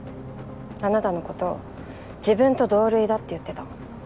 あなたの事自分と同類だって言ってた。